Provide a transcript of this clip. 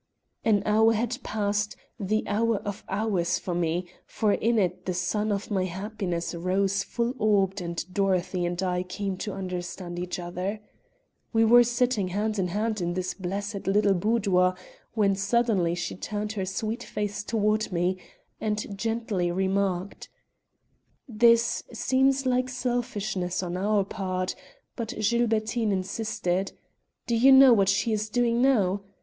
An hour had passed, the hour of hours for me, for in it the sun of my happiness rose full orbed and Dorothy and I came to understand each other. We were sitting hand in hand in this blessed little boudoir, when suddenly she turned her sweet face toward me and gently remarked: "This seems like selfishness on our part; but Gilbertine insisted. Do you know what she is doing now?